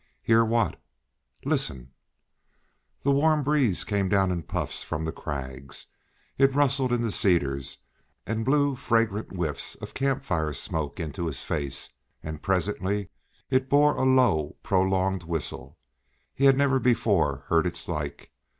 "Hear what?" "Listen." The warm breeze came down in puffs from the crags; it rustled in the cedars and blew fragrant whiffs of camp fire smoke into his face; and presently it bore a low, prolonged whistle. He had never before heard its like.